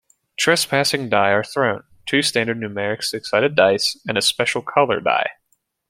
Trespassing die are thrown: two standard numeric six-sided dice, and a special color die.